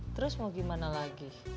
terus mau gimana lagi